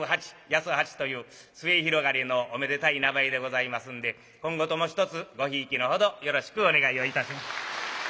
「やそはち」という末広がりのおめでたい名前でございますんで今後ともひとつごひいきのほどよろしくお願いをいたします。